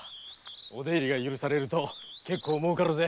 お出入りが許されるとけっこう儲かるぜ。